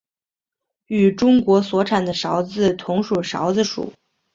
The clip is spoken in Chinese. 与中国所产的韶子同属韶子属。